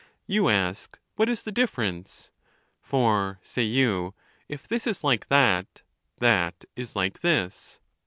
You ask what is the difference ; for, say you, if this is like that, that is like this.